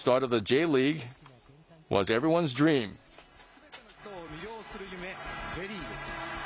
すべての人を魅了する夢Ｊリーグ。